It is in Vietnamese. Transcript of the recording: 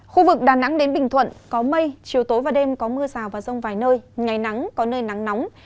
khu vực đà nẵng đến bình thuận có mây chiều tối và đêm có mưa rào và rông vài nơi ngày nắng có nơi nắng nóng